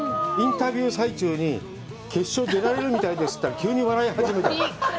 インタビュー最中に決勝に出られるみたいですって、急に笑い始めた。